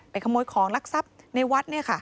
ขโมยของลักทรัพย์ในวัด